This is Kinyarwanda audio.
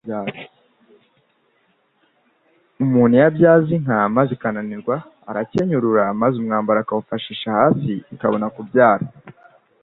Umuntu iyo abyaza inka maze ikananirwa, arakenyurura maze umwambaro akawufasha hasi, ikabona kubyara